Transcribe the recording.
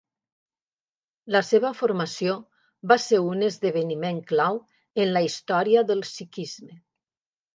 La seva formació va ser un esdeveniment clau en la història del sikhisme.